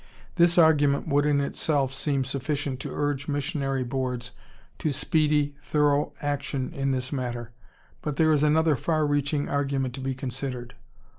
This argument would in itself seem sufficient to urge missionary Boards to speedy, thorough action in this matter, but there is another far reaching argument to be considered.